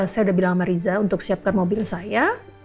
saya udah bilang sama riza untuk siapkan mobil saya